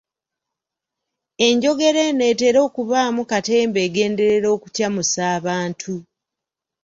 Enjogera eno etera okubaamu katemba agenderera okucamusa abantu.